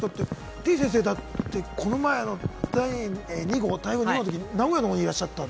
てぃ先生、だってこの前、台風２号のとき、名古屋までいらっしゃった？